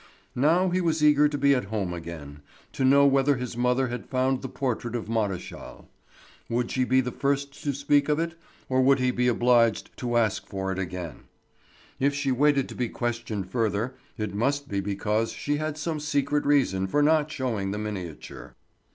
Now he was eager to be at home again; to know whether his mother had found the portrait of Maréchal. Would she be the first to speak of it, or would he be obliged to ask for it again? If she waited to be questioned further it must be because she had some secret reason for not showing the miniature.